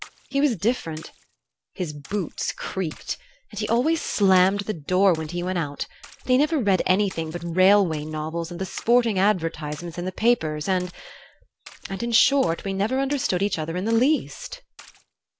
He was different. His boots creaked, and he always slammed the door when he went out, and he never read anything but railway novels and the sporting advertisements in the papers and and, in short, we never understood each other in the least."